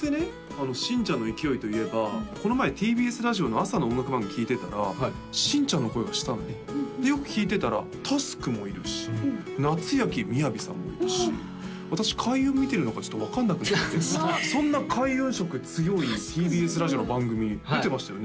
あの新ちゃんの勢いといえばこの前ＴＢＳラジオの朝の音楽番組聴いてたら新ちゃんの声がしたのでよく聴いてたらＴａｓｋもいるし夏焼雅さんもいるし私開運見てるのかちょっと分かんなくなってそんな開運色強いＴＢＳラジオの番組出てましたよね？